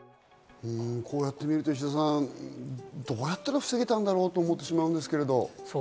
こうやってみると石田さん、どうやったら防げたんだろう？と思ってしまうんですけど。